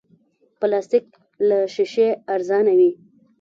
پلاستيک له شیشې ارزانه وي.